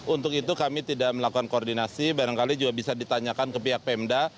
untuk itu kami tidak melakukan koordinasi barangkali juga bisa ditanyakan ke pihak pemda